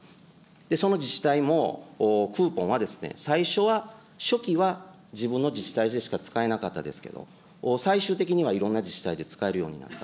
その自治体もクーポンは、最初は、初期は自分の自治体でしか使えなかったですけど、最終的にはいろんな自治体で使えるようになった。